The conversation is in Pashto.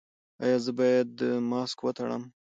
ایا زه باید ماسک وتړم؟